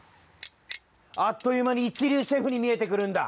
あっというまにいちりゅうシェフにみえてくるんだ。